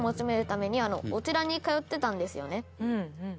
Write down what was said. うんうん。